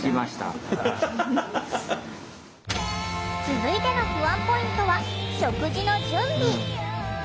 続いての不安ポイントは食事の準備。